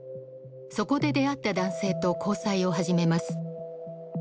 そこで出会った男性と交際を始めます。